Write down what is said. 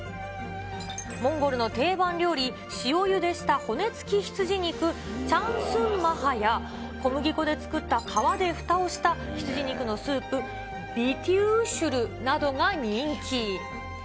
モンゴルの定番料理、塩ゆでした骨付き羊肉、チャンスンマハや、小麦粉で作った皮でふたをした羊肉のスープ、ビテゥーシュルなどが人気。